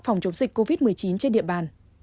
phòng chống dịch covid một mươi chín trên địa bàn